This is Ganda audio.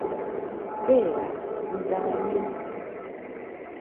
Teeba, nze ani?